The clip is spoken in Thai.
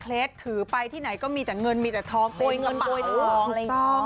กระเป๋าไปไหนอะเป็นเกฤดเหมือนกับโค้ช